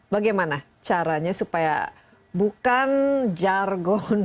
bagaimana caranya supaya bukan jargon